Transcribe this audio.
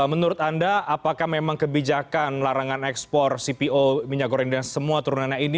dan menurut anda apakah memang kebijakan larangan ekspor cpo minyak goreng dan semua turunannya ini